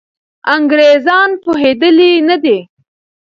انګریزان پوهېدلي نه دي.